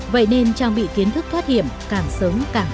vậy nên trang bị kiến thức thoát hiểm càng sớm càng tốt